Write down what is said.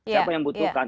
siapa yang membutuhkan